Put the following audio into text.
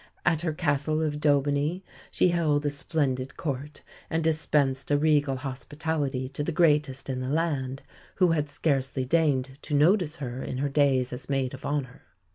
At her castle of d'Aubigny she held a splendid court and dispensed a regal hospitality to the greatest in the land, who had scarcely deigned to notice her in her days as maid of honour.